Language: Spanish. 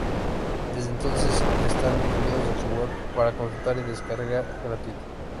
Desde entonces están incluidos en su web para consulta y descarga gratuita.